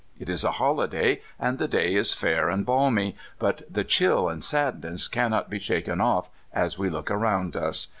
It is a holiday, and the day is fair and balmy; but the chill and sadness cannot be shaken ofif, as we look around us.